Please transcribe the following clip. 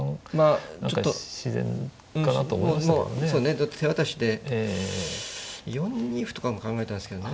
だって手渡しで４二歩とかも考えたんですけどね。